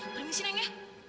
permisi neng ya